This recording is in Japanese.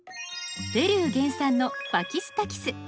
ペルー原産のパキスタキス。